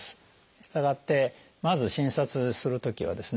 したがってまず診察するときはですね